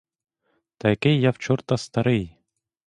Та який я в чорта старий?